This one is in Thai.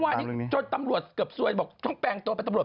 วันนี้จนตำรวจเกือบซวยบอกต้องแปลงตัวเป็นตำรวจ